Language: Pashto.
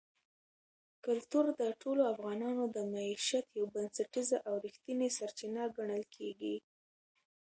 کلتور د ټولو افغانانو د معیشت یوه بنسټیزه او رښتینې سرچینه ګڼل کېږي.